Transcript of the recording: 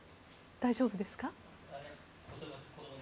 大丈夫ですか？